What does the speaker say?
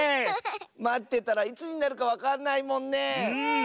まってたらいつになるかわかんないもんねえ。